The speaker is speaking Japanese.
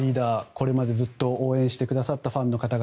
これまでずっと応援してくださったファンの方々